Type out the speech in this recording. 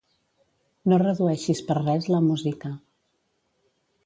No redueixis per res la música.